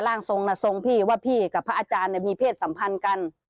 ร่างทรงทรงพี่ว่าพี่กับพระอาจารย์มีเพศสัมพันธ์กัน